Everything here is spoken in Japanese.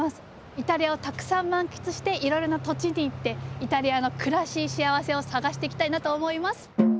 イタリアをたくさん満喫していろいろな土地に行ってイタリアの暮らししあわせを探していきたいなと思います。